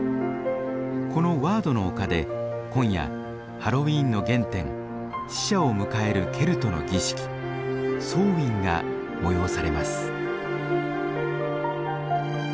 このワードの丘で今夜ハロウィーンの原点死者を迎えるケルトの儀式ソーウィンが催されます。